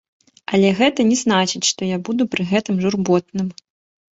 Але гэта не значыць, што я буду пры гэтым журботным!